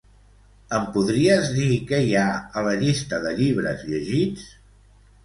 Em podries dir què hi ha a la llista de llibres llegits?